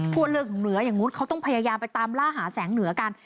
ทั่วโลกเหนืออย่างนู้นเขาต้องพยายามไปตามล่าหาแสงเหนือกัน